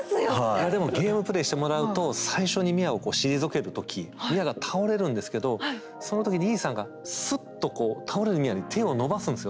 いやでもゲームプレイしてもらうと最初にミアをこう退ける時ミアが倒れるんですけどその時にイーサンがスッとこう倒れるミアに手を伸ばすんですよ。